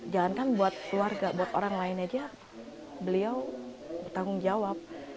jangankan buat keluarga buat orang lain aja beliau bertanggung jawab